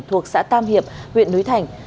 thuộc xã tam hiệp huyện núi thành